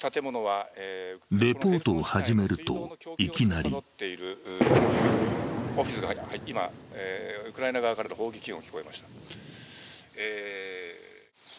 レポートを始めるといきなり今、ウクライナ側からの砲撃音が聞こえました。